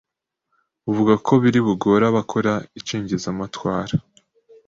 Avuga ko biribugore abakora icengezamatwara